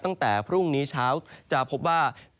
ตั้งแต่พรุ่งนี้เช้าจะพบว่า